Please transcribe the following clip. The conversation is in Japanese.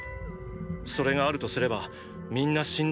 それがあるとすればみんな死んだ後だ。